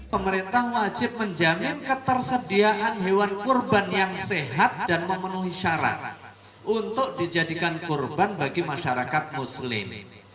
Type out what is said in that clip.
pemerintah wajib menjamin ketersediaan hewan kurban yang sehat dan memenuhi syarat untuk dijadikan kurban bagi masyarakat muslim